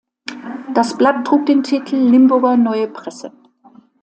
Das Blatt trug den Titel "Limburger Neue Presse".